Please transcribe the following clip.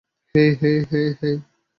হেই, হেই।